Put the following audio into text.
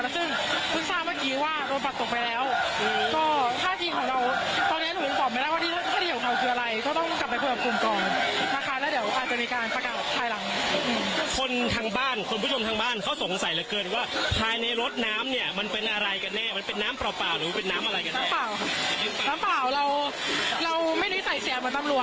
และจึงพึ่งทราบเมื่อกี้ว่าโรดบัตรตกไปแล้ว